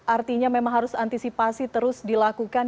artinya memang harus antisipasi terus dilakukan